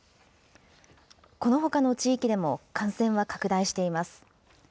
このほかの地域でも感染は拡大しています。